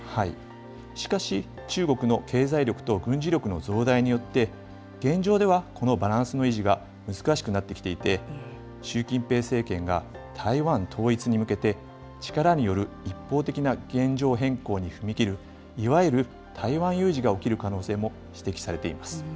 しかし、中国の経済力と軍事力の増大によって、現状ではこのバランスの維持が難しくなってきていて、習近平政権が台湾統一に向けて、力による一方的な現状変更に踏み切る、いわゆる台湾有事が起きる可能性も指摘されています。